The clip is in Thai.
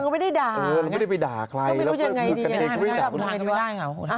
มันก็ไม่ได้ด่า